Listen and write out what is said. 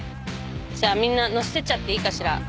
じゃあみんな載せてっちゃっていいかしら。